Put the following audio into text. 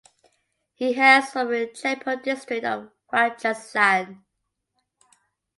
He hails from Jaipur district of Rajasthan.